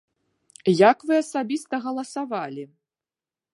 Як вы асабіста галасавалі?